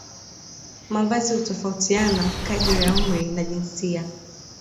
Mavazi hutofautiana kadiri ya umri na jinsia